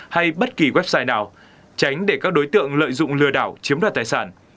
hay bất kỳ website nào tránh để các đối tượng lợi dụng lừa đảo chiếm đoạt tài sản